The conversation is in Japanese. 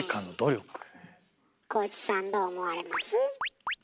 浩市さんどう思われます？